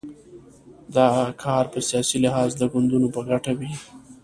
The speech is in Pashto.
دا کار په سیاسي لحاظ د ګوندونو په ګټه وي.